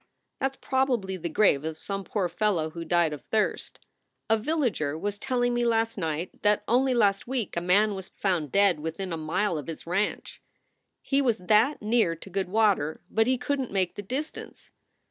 "That s probably the grave of some poor fellow who died of thirst. A villager was telling me last night that only last week a man was found dead within a mile of his ranch. He was that near to good water, but he couldn t make the distance.